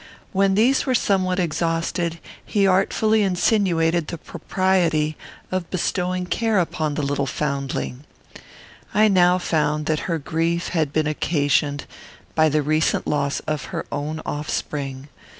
When these were somewhat exhausted, he artfully insinuated the propriety of bestowing care upon the little foundling. I now found that her grief had been occasioned by the recent loss of her own offspring.